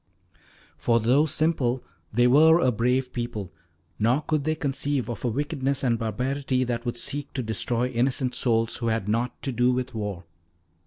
For though a simple they were a brave people, nor could they conceive of a wickedness and barbarity that would seek to destroy innocent souls who had naught to do with war.